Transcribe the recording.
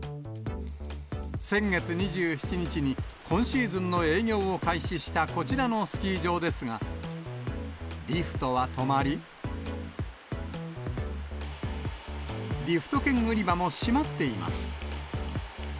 先月２７日に、今シーズンの営業を開始したこちらのスキー場ですが、リフトは止まり、リフト券売り場も閉まっています。